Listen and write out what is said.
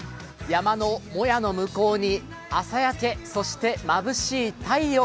山のもやの向こうに朝焼け、そして、まぶしい太陽。